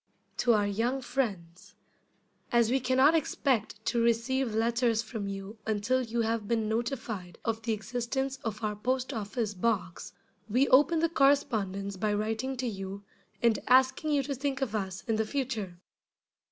] To our Young Friends: As we can not expect to receive letters from you until you have been notified of the existence of our Post office Box, we open the correspondence by writing to you, and asking you to think of us in the future.